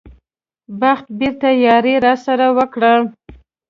بخت بېرته یاري راسره وکړه.